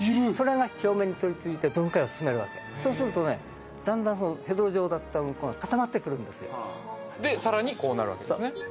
それが表面に取りついて分解を進めるわけそうするとだんだんヘドロ状だったウンコが固まってくるんですよでさらにこうなるわけですね